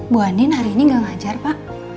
bu andin hari ini gak ngajar pak